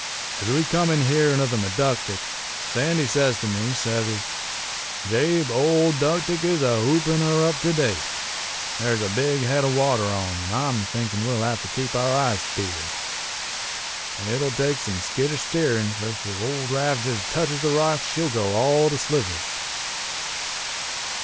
"Ez we come in hearin' of the Meductic, Sandy sez to me, sez he: 'Jabe, old 'Ductic is a hoopin' her up to day. There's a big head o' water on, an' I'm thinkin' we'll hev to keep our eyes peeled. It'll take some skittish steerin', fur ef the old raft jest teches the rocks she'll go all to slivers.'